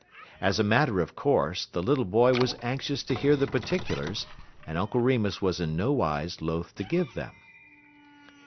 As a matter of course, the little boy was anxious to hear the particulars, and Uncle Remus was in nowise loath to give them.